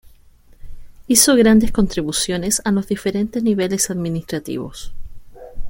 Hizo grandes contribuciones a los diferentes niveles administrativos.